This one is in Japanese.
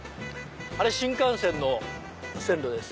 あれ新幹線の線路です。